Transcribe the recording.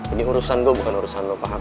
ini urusan gue bukan urusan lo paham